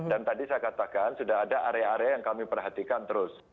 dan tadi saya katakan sudah ada area area yang kami perhatikan terus